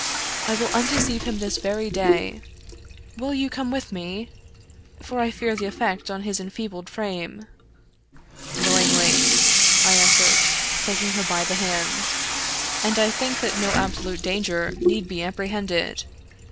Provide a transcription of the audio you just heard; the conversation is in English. I will undeceive him this very day. Will you come with me, for I fear the effect on his en feebled frame?" " Willingly," I answered, taking her by the hand ;" and I think that no absolute danger need be apprehended.